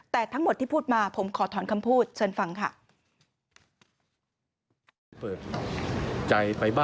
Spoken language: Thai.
แต่ทั้งหมดที่พูดมาผมขอถอนคำพูดเชิญฟังค่ะ